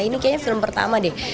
ini kayaknya film pertama deh